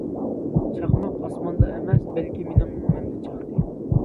چاقماق ئاسماندا ئەمەس بەلكى، مېنىڭ مېڭەمدە چاقتى.